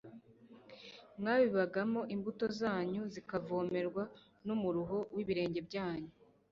mwabibagamo imbuto zanyu zikavomerwa numuruho wibirenge byanyu